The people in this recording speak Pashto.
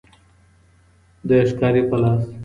د ښکاري په لاس